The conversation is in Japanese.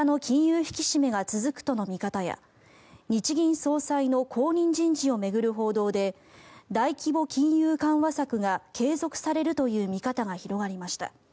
引き締めが続くとの見方や日銀総裁の後任人事を巡る報道で大規模金融緩和策が継続されるという見方が広がりました。